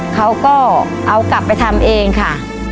เขาก็เอากลับไปทำเองค่ะ